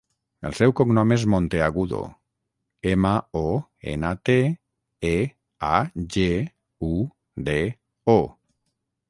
El seu cognom és Monteagudo: ema, o, ena, te, e, a, ge, u, de, o.